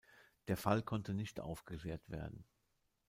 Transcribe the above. Der Fall konnte nicht aufgeklärt werden.